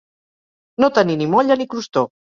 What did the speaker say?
No tenir ni molla ni crostó.